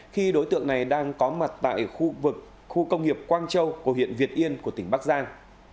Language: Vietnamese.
khi đối tượng này đang có mặt tại khu vực khu công nghiệp quang châu của huyện việt yên của tỉnh bắc giang